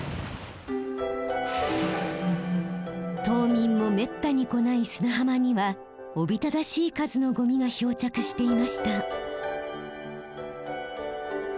島民もめったに来ない砂浜にはおびただしい数のゴミが漂着していました。